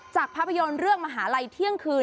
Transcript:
ภาพยนตร์เรื่องมหาลัยเที่ยงคืน